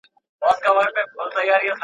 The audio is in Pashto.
د منځنيو زمانو د لوېديځ مذهبي مخکښانو